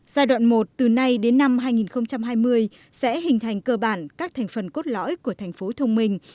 giai đoạn một từ nay đến năm hai nghìn hai mươi sẽ hình thành cơ bản các thành phần cốt lõi của thành phố thông minh